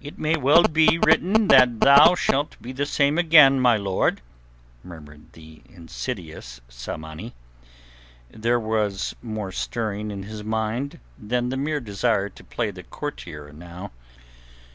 "It may well be written that thou shalt be the same again, my lord," murmured the insidious Tsamanni. There was more stirring in his mind than the mere desire to play the courtier now.